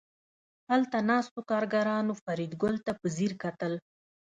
هلته ناستو کارګرانو فریدګل ته په ځیر کتل